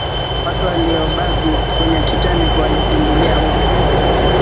watu waliyobaki kwenye titanic walikimbilia huko